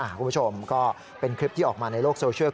คุณผู้ชมก็เป็นคลิปที่ออกมาในโลกโซเชียล